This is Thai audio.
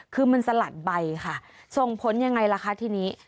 คือมันสลัดใบค่ะส่งผลยังไงล่ะคะทีนี้